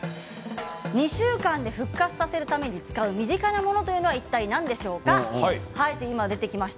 ２週間で復活させるために使う身近なものは何でしょうか。